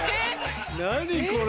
何これ。